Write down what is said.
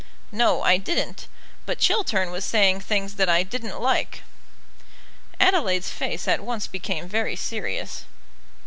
"No, I didn't; but Chiltern was saying things that I didn't like." Adelaide's face at once became very serious.